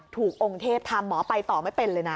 องค์เทพทำหมอไปต่อไม่เป็นเลยนะ